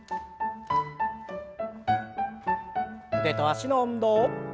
腕と脚の運動。